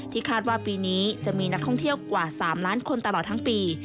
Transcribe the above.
คาดว่าปีนี้จะมีนักท่องเที่ยวกว่า๓ล้านคนตลอดทั้งปี